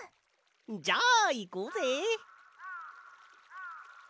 じゃあいこうぜ！